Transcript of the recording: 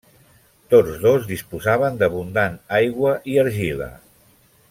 Tots dos disposaven d'abundant aigua i argila.